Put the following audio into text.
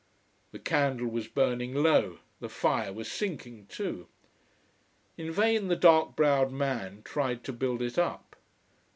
The candle was burning low, the fire was sinking too. In vain the dark browed man tried to build it up.